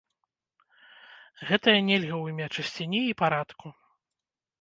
Гэтае нельга ў імя чысціні і парадку.